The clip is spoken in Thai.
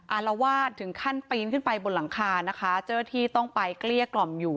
อารวาสถึงขั้นปีนขึ้นไปบนหลังคานะคะเจ้าหน้าที่ต้องไปเกลี้ยกล่อมอยู่